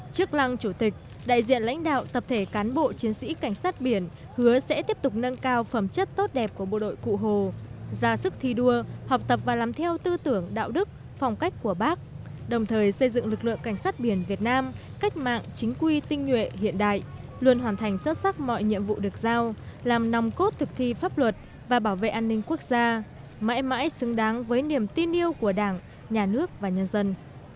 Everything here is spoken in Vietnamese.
trước lăng chủ tịch đại diện lãnh đạo tập thể cán bộ chiến sĩ cảnh sát biển hứa sẽ tiếp tục nâng cao phẩm chất tốt đẹp của bộ đội cụ hồ ra sức thi đua học tập và làm theo tư tưởng đạo đức phong cách của bác đồng thời xây dựng lực lượng cảnh sát biển việt nam cách mạng chính quy tinh nguyện hiện đại luôn hoàn thành xuất sắc mọi nhiệm vụ được giao làm nòng cốt thực thi pháp luật và bảo vệ an ninh quốc gia mãi mãi xứng đáng với niềm tin yêu của đảng nhà nước và nhân dân